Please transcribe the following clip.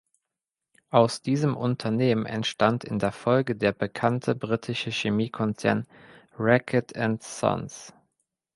Aus diesem Unternehmen entstand in der Folge der bekannte britische Chemiekonzern Reckitt and Sons.